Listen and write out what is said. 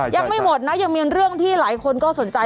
ยังไม่หมดนะยังมีเรื่องที่หลายคนก็สนใจ